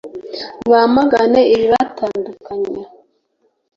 bamagane ibibatandukanya